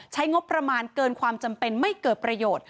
ใช้งบประมาณเกินความจำเป็นไม่เกิดประโยชน์